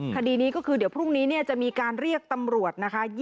คดีนี้ก็คือเดี๋ยวพรุ่งนี้จะมีการเรียกตำรวจนะคะ